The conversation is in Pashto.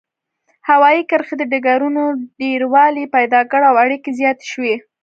هوايي کرښې او ډګرونو ډیروالی پیدا کړ او اړیکې زیاتې شوې.